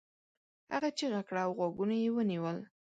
هغه چیغه کړه او غوږونه یې ونيول.